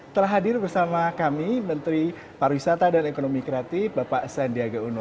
telah hadir bersama kami menteri pariwisata dan ekonomi kreatif bapak sandiaga uno